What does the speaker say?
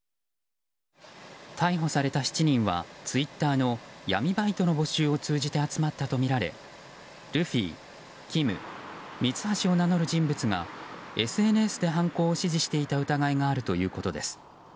逮捕された７人はツイッターの闇バイトの募集を通じて集まったとみられルフィ、キム、ミツハシを名乗る人物がＳＮＳで犯行を指示していた疑いがあるということです。